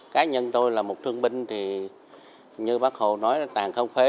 cá nhân tôi là một thương binh thì như bác hồ nói là tàn không phế